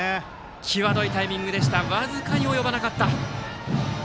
際どいタイミングでしたが僅かに及ばなかった。